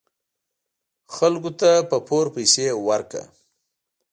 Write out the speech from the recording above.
خلکو ته په پور پیسې ورکړه .